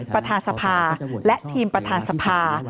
ประธานสภาและทีมประธานสภา